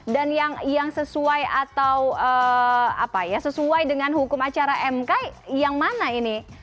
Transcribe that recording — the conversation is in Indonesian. dan yang sesuai dengan hukum acara mk yang mana ini